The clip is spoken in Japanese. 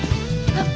あっ。